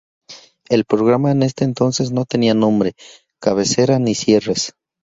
El programa en ese entonces no tenía nombre, cabecera ni cierres.